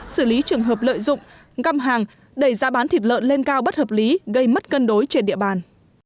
xử lý trường hợp lợi dụng găm hàng đẩy giá bán thịt lợn lên cao bất hợp lý gây mất cân đối trên địa bàn